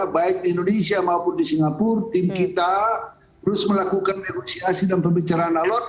baik di indonesia maupun di singapura tim kita terus melakukan negosiasi dan pembicaraan alot